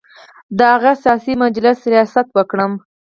د هغه سیاسي مجلس ریاست وکړم.